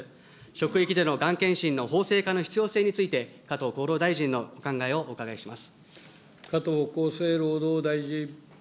職域でのがん検診の法制化の必要性について、加藤厚労大臣のお考えをお伺いします。